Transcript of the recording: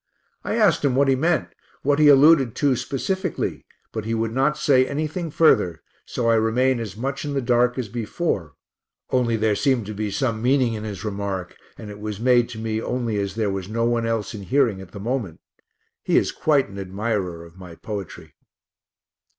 I asked him what he meant, what he alluded to specifically, but he would not say anything further so I remain as much in the dark as before only there seemed to be some meaning in his remark, and it was made to me only as there was no one else in hearing at the moment (he is quite an admirer of my poetry).